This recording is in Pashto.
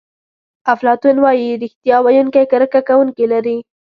افلاطون وایي ریښتیا ویونکی کرکه کوونکي لري.